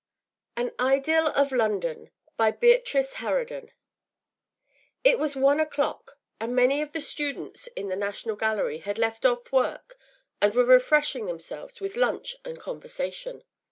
AN IDYL OF LONDON, By Beatrice Harraden It was one o’clock, and many of the students in the National Gallery had left off work and were refreshing themselves with lunch and conversation.